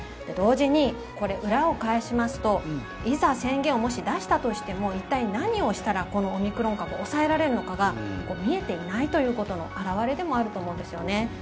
同時に裏を返しますといざ宣言をもし出したとしても一体、何をしたらこのオミクロン株を抑えられるのかが見えていないということの表れでもあると思うんですよね。